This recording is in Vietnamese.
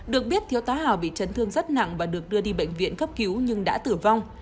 được biết thiếu tá hào bị chấn thương rất nặng và được đưa đi bệnh viện cấp cứu nhưng đã tử vong